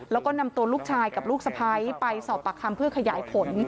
แล้วก็นำตัวลูกชายกับลูกสะพ้ายไปสอบปากคำเพื่อขยายผล